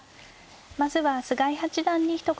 まずは菅井八段にひと言頂きます。